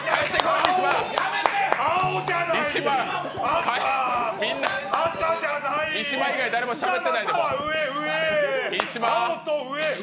三島、みんな三島以外誰もしゃべってないで。